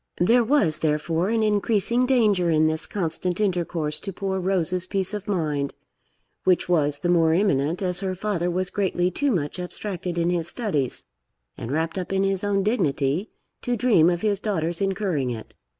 There was, therefore, an increasing danger in this constant intercourse to poor Rose's peace of mind, which was the more imminent as her father was greatly too much abstracted in his studies, and wrapped up in his own dignity, to dream of his daughter's incurring it.